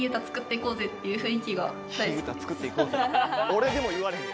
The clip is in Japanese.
俺でも言われへん。